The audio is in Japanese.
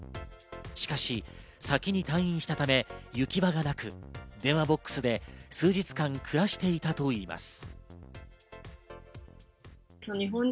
しかし、先に退院したため行き場がなく、電話ボックスで数日間暮らしていたといいます。